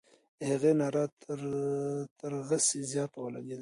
د هغې ناره تر غسي زیاته ولګېده.